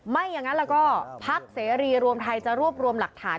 ไม่อย่างนั้นแล้วก็พักเสรีรวมไทยจะรวบรวมหลักฐาน